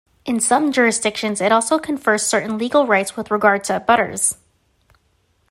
In some jurisdictions, it also confers certain legal rights with regard to abutters.